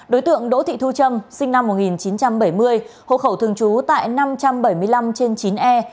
đối tượng đỗ thị thu trâm sinh năm một nghìn chín trăm bảy mươi hộ khẩu thường trú tại năm trăm bảy mươi năm trên chín e